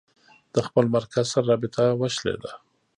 د خپل مرکز سره رابطه وشلېده.